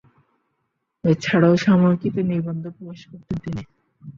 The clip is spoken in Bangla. এছাড়াও সাময়িকীতে নিবন্ধ প্রকাশ করতেন তিনি।